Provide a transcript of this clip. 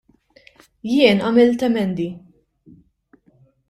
Jien għamilt emendi.